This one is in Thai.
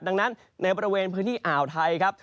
ดังนั้นในบริเวณพื้นที่อ่าวไทยครับ